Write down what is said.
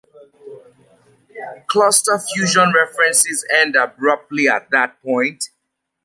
Cluster fusion references end abruptly at that point.